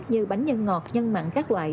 như bánh nhân ngọt nhân mặn các loại